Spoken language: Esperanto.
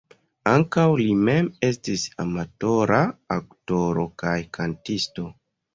Ankaŭ li mem estis amatora aktoro kaj kantisto.